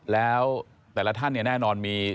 แล้วแต่ละท่านเนี่ยแน่นอนมี